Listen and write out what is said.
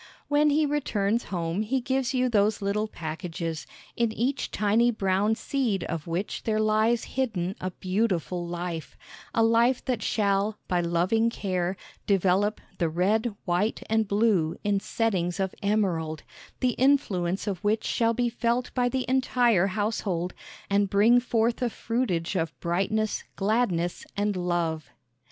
When he returns home he gives you those little packages, in each tiny brown seed of which there lies hidden a beautiful life a life that shall, by loving care, develop "the red, white and blue" in settings of emerald, the influence of which shall be felt by the entire household, and bring forth a fruitage of brightness, gladness and love.